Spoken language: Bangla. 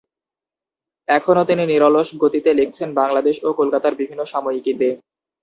এখনো তিনি নিরলস গতিতে লিখছেন বাংলাদেশ ও কলকাতার বিভিন্ন সাময়িকীতে।